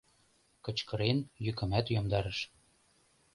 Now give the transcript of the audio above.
Кычкырен, йӱкымат йомдарыш.